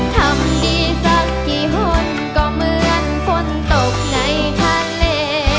ทำดีสักกี่คนก็เหมือนฝนตกในทะเล